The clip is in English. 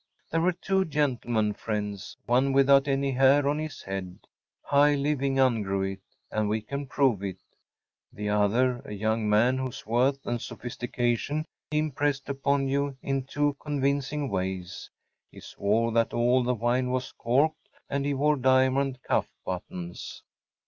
There were two “gentlemen friends‚ÄĚ‚ÄĒone without any hair on his head‚ÄĒhigh living ungrew it; and we can prove it‚ÄĒthe other a young man whose worth and sophistication he impressed upon you in two convincing ways‚ÄĒhe swore that all the wine was corked; and he wore diamond cuff buttons.